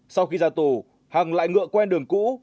sau khi ra tù hằng lại ngựa quen đường cũ